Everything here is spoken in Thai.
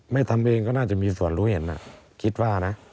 ทำเองก็น่าจะมีส่วนรู้เห็นคิดว่านะ